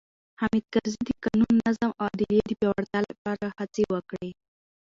حامد کرزي د قانون، نظم او عدلیې د پیاوړتیا لپاره هڅې وکړې.